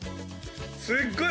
すっごい